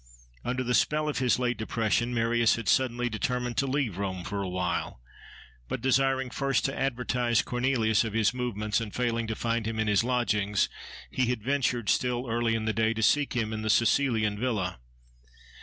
Under the spell of his late depression, Marius had suddenly determined to leave Rome for a while. But desiring first to advertise Cornelius of his movements, and failing to find him in his lodgings, he had ventured, still early in the day, to seek him in the Cecilian villa.